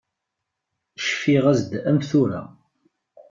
Cfiɣ-as-d am tura.